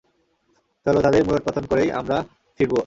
চলো, তাদের মূলোৎপাটন করেই আমরা ফিরব।